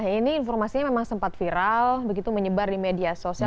ini informasinya memang sempat viral begitu menyebar di media sosial